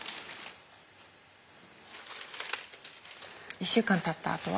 １週間たったあとは？